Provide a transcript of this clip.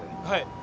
はい。